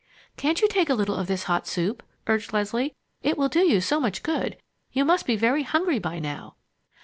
"Can't you take a little of this hot soup?" urged Leslie. "It will do you so much good. You must be very hungry by now."